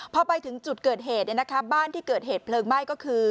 พอไปถึงจุดเกิดเหตุบ้านที่เกิดเหตุเพลิงไหม้ก็คือ